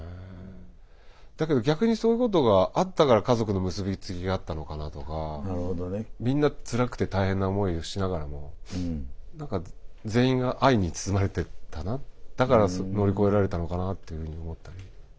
だけど逆にそういうことがあったから家族の結び付きがあったのかなとかみんなつらくて大変な思いをしながらも全員が愛に包まれてたなだから乗り越えられたのかなっていうふうに思ったり。